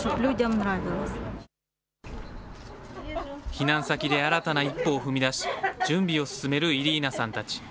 避難先で新たな一歩を踏み出し、準備を進めるイリーナさんたち。